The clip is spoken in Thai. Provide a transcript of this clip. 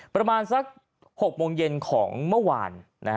ประมาณสัก๖โมงเย็นของเมื่อวาน